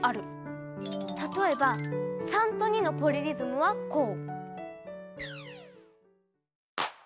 例えば３と２のポリリズムはこう。